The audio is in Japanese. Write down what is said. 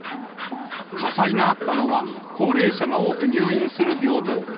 火災があったのは、高齢者が多く入院する病棟。